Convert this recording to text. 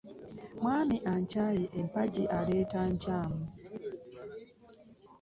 Mwami ankyaye mpaji aleeta nkaymu .